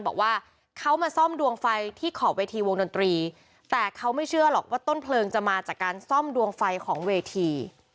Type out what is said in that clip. บอกว่าเขามาซ่อมดวงไฟที่ขอบเวทีวงดนตรีแต่เขาไม่เชื่อหรอกว่าต้นเพลิงจะมาจากการซ่อมดวงไฟของเวที